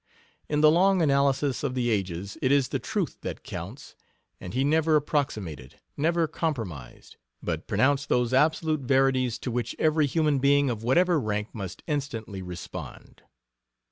In the long analysis of the ages it is the truth that counts, and he never approximated, never compromised, but pronounced those absolute verities to which every human being of whatever rank must instantly respond.